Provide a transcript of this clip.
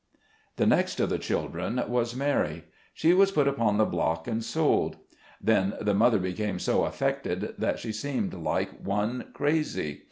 The next of the children was Mary. She was put upon the block and sold. Then the mother became so affected that she seemed like one crazy.